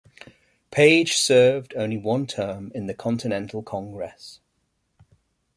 Page served only one term in the Continental Congress.